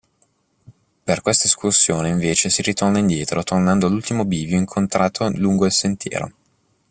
Per questa escursione invece si ritorna indietro tornando all'ultimo bivio incontrato lungo il sentiero.